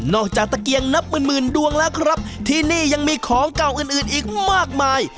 ตะเกียงนับหมื่นหมื่นดวงแล้วครับที่นี่ยังมีของเก่าอื่นอื่นอีกมากมาย